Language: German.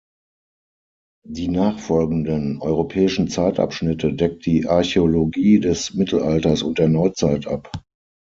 Die nachfolgenden europäischen Zeitabschnitte deckt die Archäologie des Mittelalters und der Neuzeit ab.